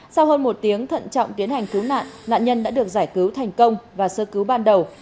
sau hơn một tiếng thận trọng tiến hành cứu nạn nạn nhân đã được giải cứu thành công và sơ cứu ban đầu